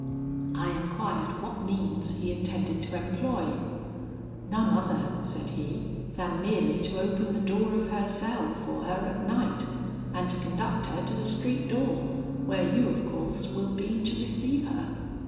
I enquired what means he intended to employ. 'None other,' said he, 'than merely to open the door of her cell for her at night, and to conduct her to the street door, where you, of course, will be to receive her.'